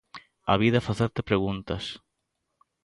A vida é facerte preguntas.